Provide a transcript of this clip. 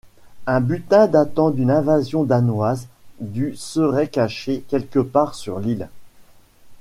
Un butin datant d'une invasion danoise du serait caché quelque part sur l'île.